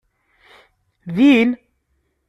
Din?